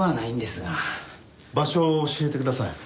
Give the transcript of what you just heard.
場所を教えてください。